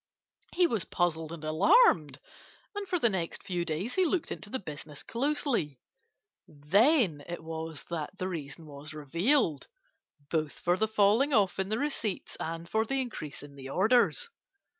He was puzzled and alarmed, and for the next few days he looked into the business closely. Then it was that the reason was revealed, both for the falling off in the receipts and for the increase in the orders.